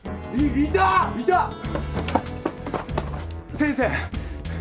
先生！